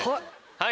はい！